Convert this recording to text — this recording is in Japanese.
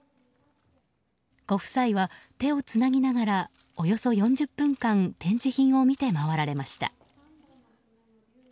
ご夫妻は手をつなぎながらおよそ４０分間展示品を見て回られました。